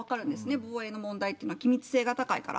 防衛の問題っていうのは気密性が高いから。